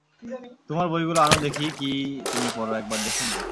তোমার বইগুলো আনো দেখি, কী তুমি পড় একবার দেখে নিই।